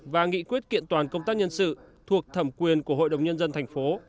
và nghị quyết kiện toàn công tác nhân sự thuộc thẩm quyền của hội đồng nhân dân tp